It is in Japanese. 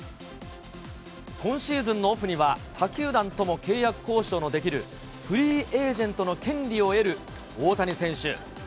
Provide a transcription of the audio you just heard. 今シーズンのオフには、他球団とも契約交渉のできるフリーエージェントの権利を得る大谷選手。